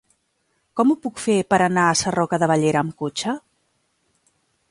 Com ho puc fer per anar a Sarroca de Bellera amb cotxe?